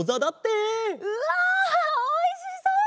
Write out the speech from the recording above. うわおいしそう！